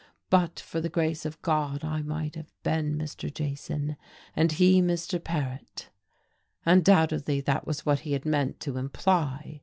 But for the grace of God I might have been Mr. Jason and he Mr. Paret: undoubtedly that was what he had meant to imply...